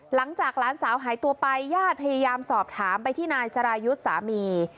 หลังจากหลานสาวหายตัวไปญาติพยายามสอบถามไปที่นายสรายุทธ์สามี